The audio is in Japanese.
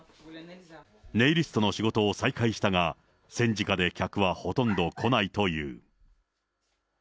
ネイリストの仕事を再開したが、戦時下で客はほとんど来ないという。